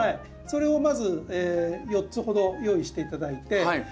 それをまず４つほど用意して頂いて。